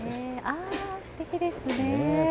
あー、すてきですね。